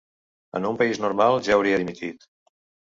En un país normal, ja hauria dimitit.